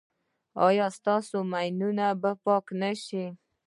ایا ستاسو ماینونه به پاک نه شي؟